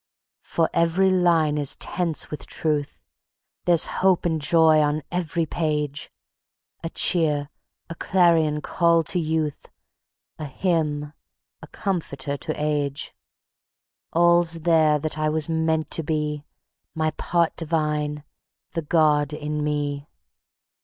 For every line is tense with truth, There's hope and joy on every page; A cheer, a clarion call to Youth, A hymn, a comforter to Age: All's there that I was meant to be, My part divine, the God in me.